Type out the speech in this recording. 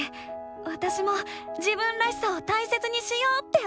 わたしも「自分らしさ」を大切にしようって思ったよ！